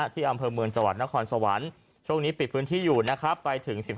ที่อำเภอเมืองจังหวัดนครสวรรค์ช่วงนี้ปิดพื้นที่อยู่นะครับไปถึง๑๕